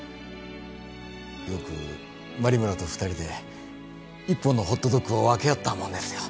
よく真梨邑と２人で一本のホットドッグを分け合ったもんですよ。